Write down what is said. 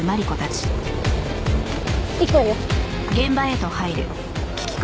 行くわよ。